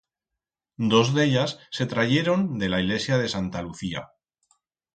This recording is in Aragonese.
Dos d'ellas se trayieron de la ilesia de Santa Lucia.